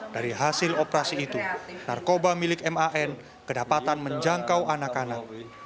dari hasil operasi itu narkoba milik man kedapatan menjangkau anak anak